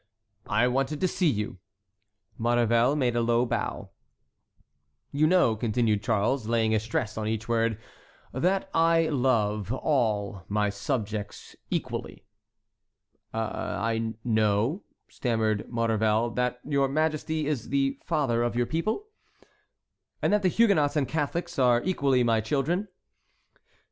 "I wanted to see you." Maurevel made a low bow. "You know," continued Charles, laying a stress on each word, "that I love all my subjects equally?" "I know," stammered Maurevel, "that your Majesty is the father of your people." "And that the Huguenots and Catholics are equally my children?"